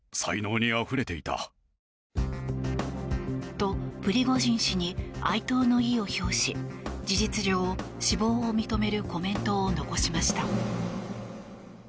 と、プリゴジン氏に哀悼の意を表し事実上、死亡を認めるコメントを残しました。